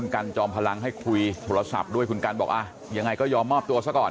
กันจอมพลังให้คุยโทรศัพท์ด้วยคุณกันบอกอ่ะยังไงก็ยอมมอบตัวซะก่อน